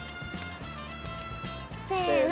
せの。